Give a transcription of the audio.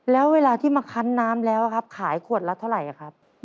แล้วเวลาที่มาคันน้ำแล้วครับขายขวดละเท่าไหร่ครับ